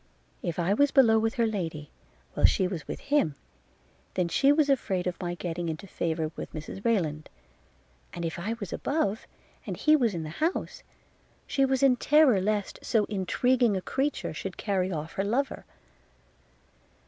If I was below with her lady, while she was with him, then she was afraid of my getting into favour with Mrs Rayland; and if I was above, and he was in the house, she was in terror lest so intriguing a creature should carry off her lover.